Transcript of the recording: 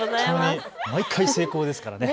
毎回成功ですからね。